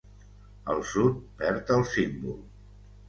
El sud perd el símbol.